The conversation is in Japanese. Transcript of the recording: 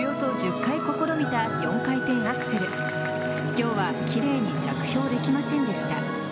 今日は奇麗に着氷できませんでした。